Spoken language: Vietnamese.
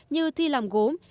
như thi làm gốm